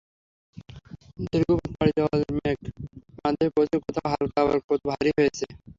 দীর্ঘপথ পাড়ি দেওয়া মেঘ বাংলাদেশে পৌঁছে কোথাও হালকা আবার কোথাও ভারী হয়েছে।